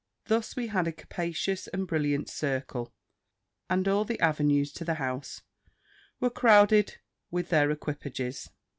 Thus we had a capacious and brilliant circle; and all the avenues to the house were crowded with their equipages.